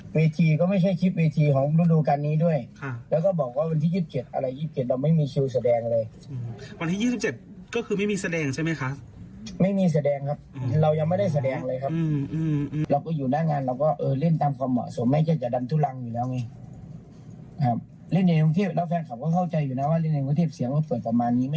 ผมก็เข้าใจอยู่นะว่าในวันเทพเสียงจะเปิดประมาณนี้